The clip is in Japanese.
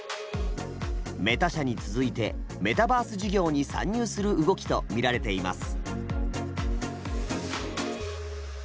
メタ社に続いてメタバース事業に参入する動きとみられています。